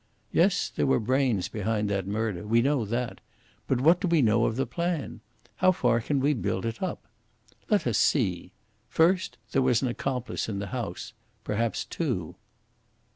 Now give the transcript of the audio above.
Yes, there were brains behind that murder. We know that. But what do we know of the plan? How far can we build it up? Let us see. First, there was an accomplice in the house perhaps two."